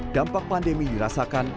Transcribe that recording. dampak pandemi dirasakan